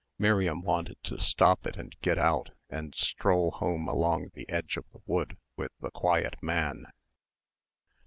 Miriam wanted to stop it and get out and stroll home along the edge of the wood with the quiet man.